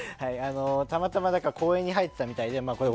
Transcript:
たまたま公園に生えてたみたいで。